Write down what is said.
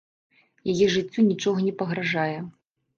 Яе жыццю нічога не пагражае.